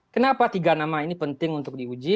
kenapa tiga nama ini penting untuk diuji